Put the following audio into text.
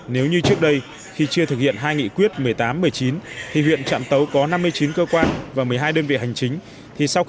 nếu như trước đây khi chưa thực hiện hai nghị quyết một mươi tám một mươi chín thì huyện trạm tấu có năm mươi chín cơ quan và một mươi hai đơn vị hành chính